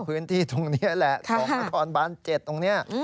ก็พื้นที่ตรงนี้แหละสองกระทอลบาน๗ตรงนี้